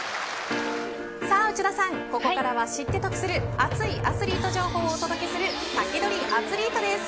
内田さん、ここからは知って得する熱いアスリート情報をお届けするサキドリアツリートです。